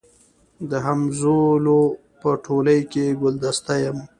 د همزولو په ټولۍ کي ګلدسته یم